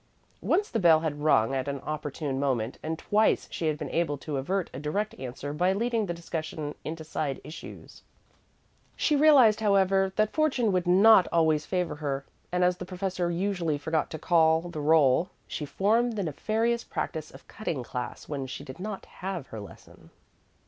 Once the bell had rung at an opportune moment, and twice she had been able to avert a direct answer by leading the discussion into side issues. She realized, however, that fortune would not always favor her, and as the professor usually forgot to call the roll, she formed the nefarious practice of cutting class when she did not have her lesson.